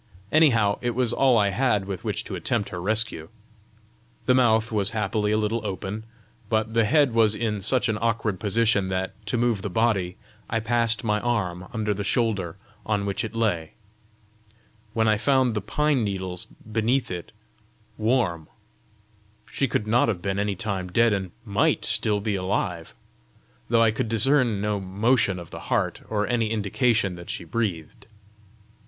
Anyhow it was all I had with which to attempt her rescue! The mouth was happily a little open; but the head was in such an awkward position that, to move the body, I passed my arm under the shoulder on which it lay, when I found the pine needles beneath it warm: she could not have been any time dead, and MIGHT still be alive, though I could discern no motion of the heart, or any indication that she breathed!